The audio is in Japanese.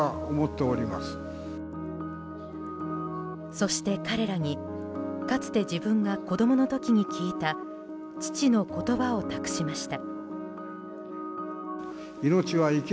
そして、彼らにかつて自分が子供の時に聞いた父の言葉を託しました。